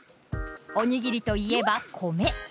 おにぎりといえば米。